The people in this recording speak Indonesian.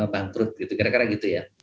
bangkrut gitu kira kira gitu ya